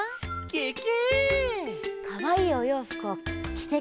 ケケ。